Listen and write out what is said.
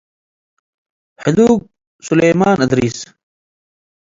ሕዱግ ስሌማን እድሪስ